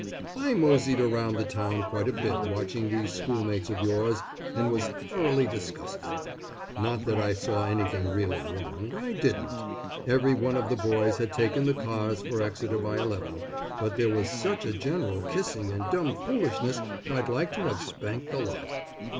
I moseyed around the town quite a bit watching these schoolmates of yours, and was thoroughly disgusted. Not that I saw anything really wrong. I didn't. Every one of the boys had taken the cars for Exeter by eleven, but there was such a general kissing and dumbfoolishness I'd like to have spanked the lot.